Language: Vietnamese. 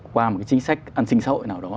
qua một cái chính sách ăn xinh xội nào đó